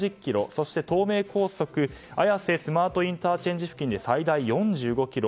そして東名高速綾瀬スマートＩＣ付近で最大４５ｋｍ。